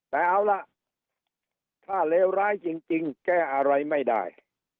แต่เอาล่ะถ้าเลวร้ายจริงแก้อะไรไม่ได้